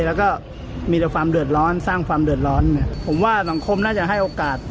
แล้วก็มีแต่ความเดือดร้อนสร้างความเดือดร้อนเนี่ยผมว่าสังคมน่าจะให้โอกาส